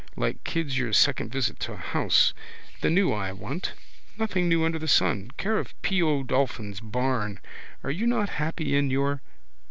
Like kids your second visit to a house. The new I want. Nothing new under the sun. Care of P. O. Dolphin's Barn. Are you not happy in your?